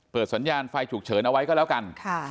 สัญญาณไฟฉุกเฉินเอาไว้ก็แล้วกัน